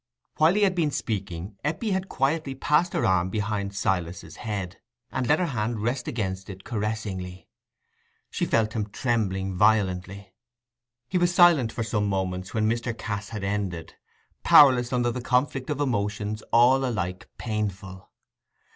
While he had been speaking, Eppie had quietly passed her arm behind Silas's head, and let her hand rest against it caressingly: she felt him trembling violently. He was silent for some moments when Mr. Cass had ended—powerless under the conflict of emotions, all alike painful.